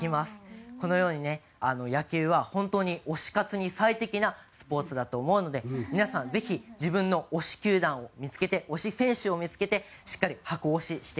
このようにね野球は本当に推し活に最適なスポーツだと思うので皆さんぜひ自分の推し球団を見付けて推し選手を見付けてしっかり箱推ししてください。